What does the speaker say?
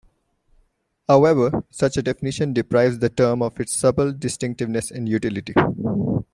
However, such a definition deprives the term of its subtle distinctiveness and utility.